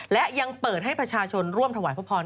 และยังเปิดให้ประชาชนร่วมถวายพระพร